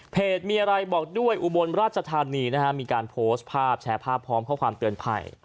มีอะไรบอกด้วยอุบลราชธานีนะฮะมีการโพสต์ภาพแชร์ภาพพร้อมข้อความเตือนภัย